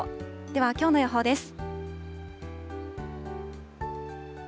ではきょうの予報です。